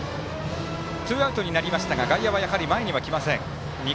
ツーアウトになりましたが外野は前に来ません。